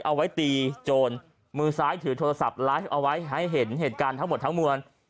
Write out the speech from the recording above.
เอาไว้ตีโจรมือซ้ายถือโทรศัพท์ไลฟ์เอาไว้ให้เห็นเหตุการณ์ทั้งหมดทั้งมวล